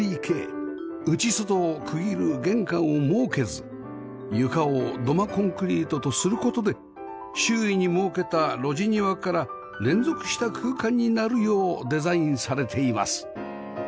内外を区切る玄関を設けず床を土間コンクリートとする事で周囲に設けた路地庭から連続した空間になるようデザインされています